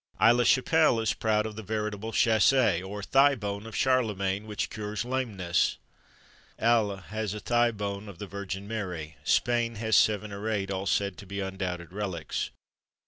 Aix la Chapelle is proud of the veritable châsse, or thigh bone of Charlemagne, which cures lameness. Halle has a thigh bone of the Virgin Mary; Spain has seven or eight, all said to be undoubted relics.